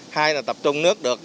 hai là tập trung nước được